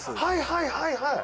はいはいはい。